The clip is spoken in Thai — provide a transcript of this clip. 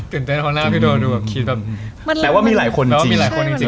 ตื่นเต้นเพราะหน้าพี่ดัวดูแบบคิดแบบแปลว่ามีหลายคนจริงแปลว่ามีหลายคนจริง